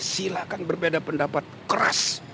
silahkan berbeda pendapat keras